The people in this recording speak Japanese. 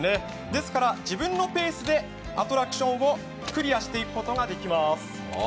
ですから自分のペースでアトラクションをクリアしていくことができます。